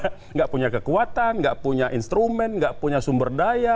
saya tidak punya kekuatan tidak punya instrumen tidak punya sumber daya